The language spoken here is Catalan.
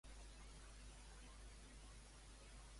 Lewenhaupt dividí les seves tropes en quatre divisions.